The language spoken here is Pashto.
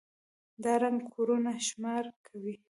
دا ړنـګ كورونه شمار كړئ.